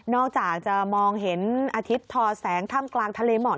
จากจะมองเห็นอาทิตย์ทอแสงถ้ำกลางทะเลหมอก